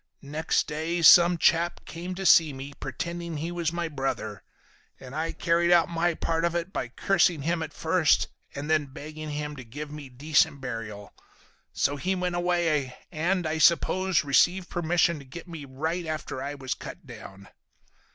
"Next day some chap came to see me, pretending he was my brother. And I carried out my part of it by cursing him at first and then begging him to give me decent burial. So he went away, and, I suppose, received permission to get me right after I was cut down.